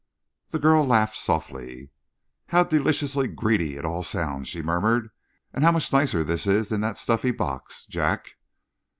The girl laughed softly. "How deliciously greedy it all sounds," she murmured, "and how much nicer this is than that stuffy box! Jack!"